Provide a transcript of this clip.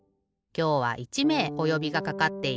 今日は１めいおよびがかかっている。